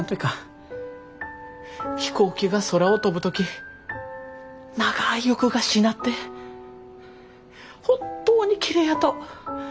飛行機が空を飛ぶ時長い翼がしなって本当にきれいやと。